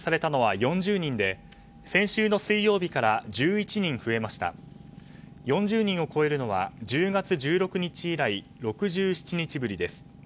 ４０人を超えるのは１０月１６日以来６７日ぶりです。